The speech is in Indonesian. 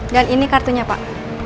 dan ini kartunya pak